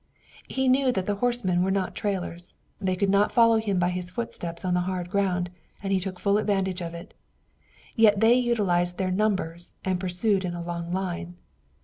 He knew that the horsemen were not trailers. They could not follow him by his footsteps on the hard ground, and he took full advantage of it. Yet they utilized their numbers and pursued in a long line.